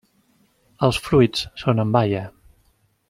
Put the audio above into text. Els fruits són en baia.